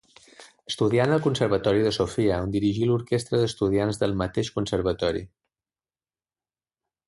Estudià en el Conservatori de Sofia, on dirigí l'orquestra d'estudiants del mateix conservatori.